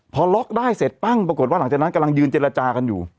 พอล็อกได้เสร็จปั้งปรากฏว่าหลังจากนั้นกำลังยืนเจรจากันอยู่